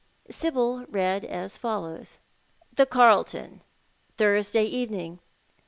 Sibyl read as follows :—" The Carlton, Thursday evening.